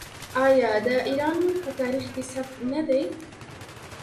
آیا د ایران نوم په تاریخ کې ثبت نه دی؟